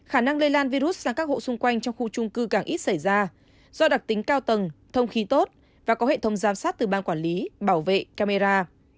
khả năng lây lan virus sang các hộ xung quanh trong khu trung cư càng ít xảy ra do đặc tính cao tầng thông khí tốt và có hệ thống giám sát từ ban quản lý bảo vệ camera